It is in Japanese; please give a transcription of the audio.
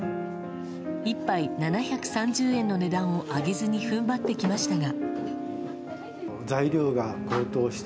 １杯７３０円の値段を上げずに踏ん張ってきましたが。